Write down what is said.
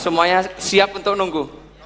semuanya siap untuk nunggu